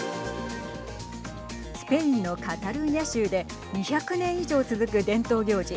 スペインのカタルーニャ州で２００年以上続く伝統行事